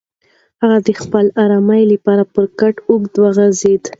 هغه د خپل ارام لپاره پر کټ اوږد وغځېد.